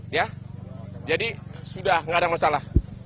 ya jadi sudah tidak ada masalah